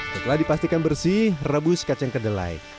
setelah dipastikan bersih rebus kacang kedelai